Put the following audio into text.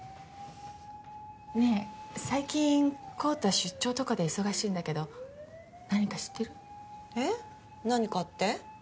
ねぇ最近昂太出張とかで忙しいんだけど何か知ってる？え？何かって？